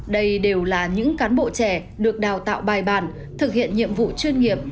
đây đều là những cán bộ trẻ được đào tạo bài bản thực hiện nhiệm vụ chuyên nghiệp